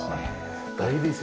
大理石。